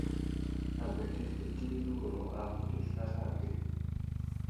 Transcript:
Abekehe di newuro a bəra isaray ge .